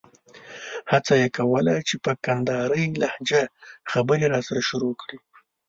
هڅه یې کوله چې په کندارۍ لهجه خبرې راسره شروع کړي.